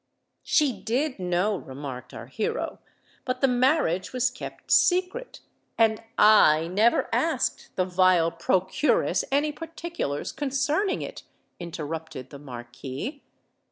"She did know," remarked our hero; "but the marriage was kept secret——" "And I never asked the vile procuress any particulars concerning it," interrupted the Marquis.